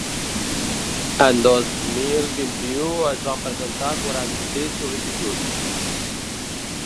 En dos mil vint-i-u es van presentar quaranta-sis sol·licituds.